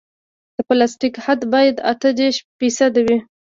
د پلاستیک حد باید اته دېرش فیصده وي